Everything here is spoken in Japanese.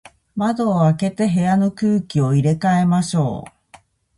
窓を開けて、部屋の空気を入れ替えましょう。